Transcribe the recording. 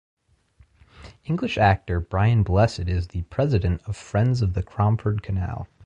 English actor Brian Blessed is the president of Friends of the Cromford Canal.